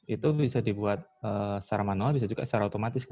itu bisa dibuat secara manual bisa juga secara otomatis